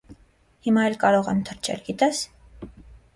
Հիմա էլ կարող եմ թռչել, գիտե՞ս: